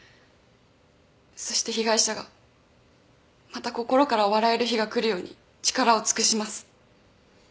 そして被害者がまた心から笑える日が来るように力を尽くします。